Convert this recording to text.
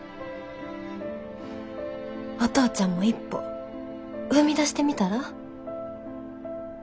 お父ちゃんも一歩踏み出してみたら？